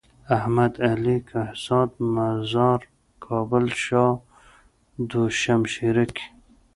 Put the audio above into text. احمد علي کهزاد مزار کابل شاه دو شمشيره کي۔